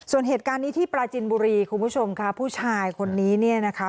ส่วนเหตุการณ์นี้ที่ปราจินบุรีคุณผู้ชมค่ะผู้ชายคนนี้เนี่ยนะคะ